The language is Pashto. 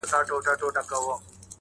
ميوندوال صاحب وويل پروګرام مي